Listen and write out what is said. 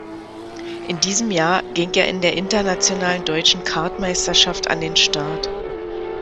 In diesem Jahr ging er in der internationalen deutschen Kartmeisterschaft an den Start.